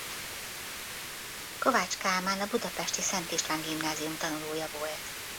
Kovács Kálmán a budapesti Szent István Gimnázium tanulója volt.